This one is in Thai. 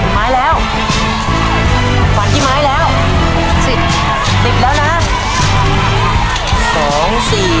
เวลา๓นาทีนะครับตอนนี้เวลาถ้าเรานับเป็นพินาภี